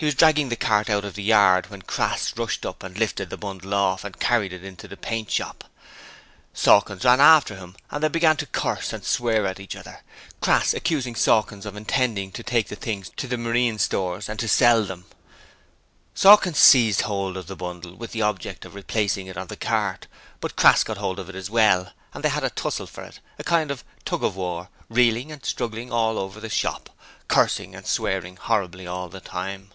He was dragging the cart out of the yard when Crass rushed up and lifted the bundle off and carried it into the paint shop. Sawkins ran after him and they began to curse and swear at each other; Crass accusing Sawkins of intending to take the things to the marine stores and sell them. Sawkins seized hold of the bundle with the object of replacing it on the cart, but Crass got hold of it as well and they had a tussle for it a kind of tug of war reeling and struggling all over the shop. cursing and swearing horribly all the time.